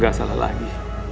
gak salah lagi